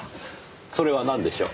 それはなんでしょう？